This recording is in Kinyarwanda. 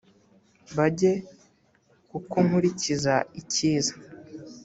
banjye kuko nkurikiza icyiza